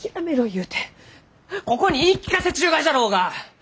言うてここに言い聞かせちゅうがじゃろうが！